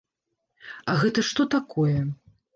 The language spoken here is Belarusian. А гэта што такое?